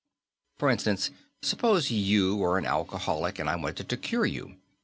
"For instance, suppose you were an alcoholic and I wanted to cure you.